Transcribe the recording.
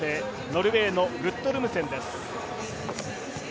ノルウェーのグットルムセンです。